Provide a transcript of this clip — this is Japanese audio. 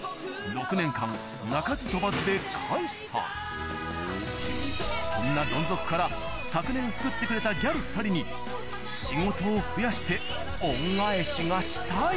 しかしそんなどん底から昨年救ってくれたギャル２人に仕事を増やして恩返しがしたい